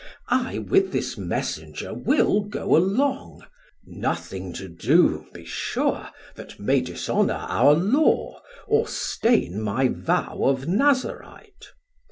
I with this Messenger will go along, Nothing to do, be sure, that may dishonour Our Law, or stain my vow of Nazarite.